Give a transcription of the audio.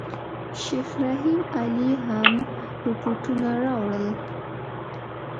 شیخ رحیم علي هم رپوټونه راوړل.